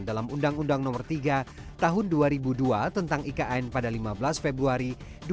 dalam undang undang nomor tiga tahun dua ribu dua tentang ikn pada lima belas februari